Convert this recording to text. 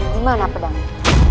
dimana pedang itu